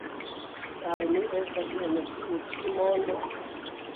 Kial ni estas en tiu ĉi mondo?